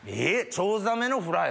チョウザメのフライ。